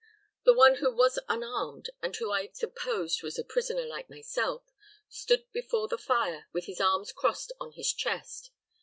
The one who was unarmed, and who I supposed was a prisoner like myself, stood before the fire with his arms crossed on his chest.